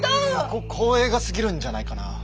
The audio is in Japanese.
こ光栄がすぎるんじゃないかな。